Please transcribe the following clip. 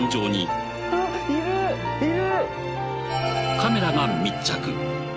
カメラが密着。